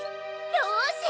よし！